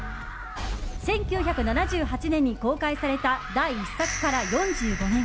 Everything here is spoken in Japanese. １９７８年に公開された第１作から４５年。